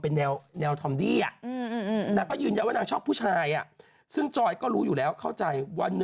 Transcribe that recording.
นางคิดแบบว่าไม่ไหวแล้วไปกด